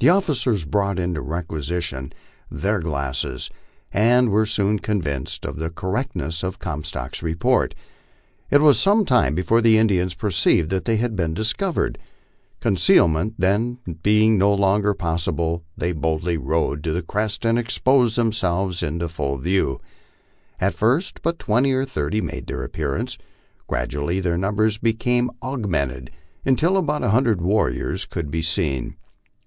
The officers brought into requisition their glasses, and were soon convinced of the correctness of Comstock's report. It was some time before the Indians perceived that they were discovered. Conceal ment then being no longer possible, they boldly rode to the crest and exposed themselves to full view. At first but twenty or thirty made their appearance; gradually their number became augmented, until about a hundred warriors could be seen.